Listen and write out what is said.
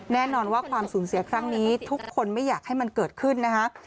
แน่นอนว่าความสูญเสียครั้งนี้ทุกคนไม่อยากให้มันเกิดขึ้นนะคะ